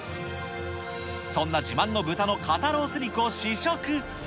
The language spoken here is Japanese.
そんな自慢の豚の肩ロース肉を試食。